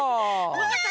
わかった。